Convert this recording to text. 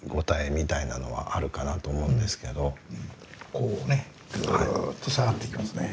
こうねぐっと下がっていきますね。